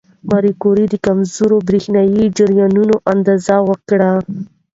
ماري کوري د کمزورو برېښنايي جریانونو اندازه وکړه.